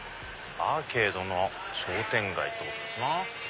アーケードの商店街ってことですな。